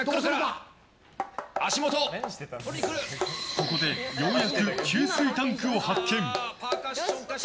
ここでようやく給水タンクを発見！